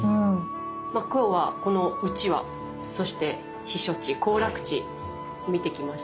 今日はこのうちわそして避暑地行楽地見てきましたけれど。